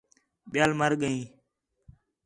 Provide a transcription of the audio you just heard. ٻِیال مَر ڳئین